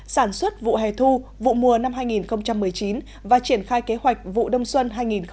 sản xuất vụ hè thu vụ mùa năm hai nghìn một mươi chín và triển khai kế hoạch vụ đông xuân hai nghìn một mươi hai nghìn hai mươi